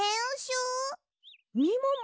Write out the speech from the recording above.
みもも